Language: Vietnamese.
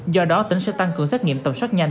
do đó tỉnh sẽ tăng cường xét nghiệm tầm soát nhanh